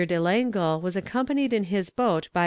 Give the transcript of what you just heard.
de Langle was accompanied in his boat by M.